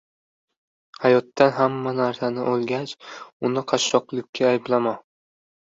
— Hayotdan hamma narsani olgach, uni qashshoqlikda ayblama.